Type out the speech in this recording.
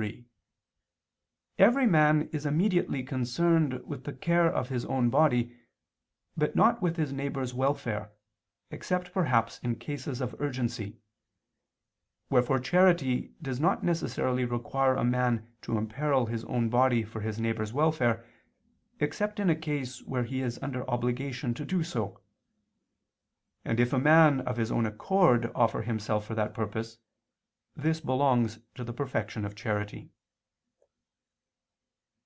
3: Every man is immediately concerned with the care of his own body, but not with his neighbor's welfare, except perhaps in cases of urgency: wherefore charity does not necessarily require a man to imperil his own body for his neighbor's welfare, except in a case where he is under obligation to do so; and if a man of his own accord offer himself for that purpose, this belongs to the perfection of charity.